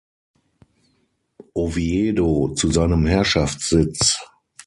Oviedo zu seinem Herrschaftssitz.